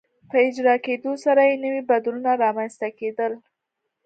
په اجرا کېدو سره یې نوي بدلونونه رامنځته کېدل.